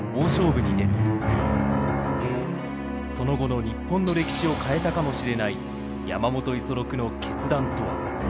その後の日本の歴史を変えたかもしれない山本五十六の決断とは。